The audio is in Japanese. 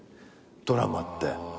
ドラマって。